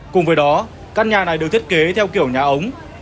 cùng với đó căn nhà này được thiết kế theo kiểu nhà ống